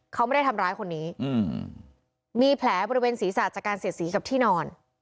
เขาไม่ได้ทำร้ายคนนี้มีแผลบริเวณศีรษะจากการเสียดสีกับที่นอน